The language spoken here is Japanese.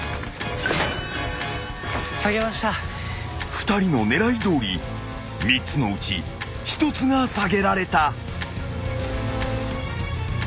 ［２人の狙いどおり３つのうち１つが下げられた］